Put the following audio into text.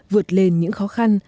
vượt lên những khó khăn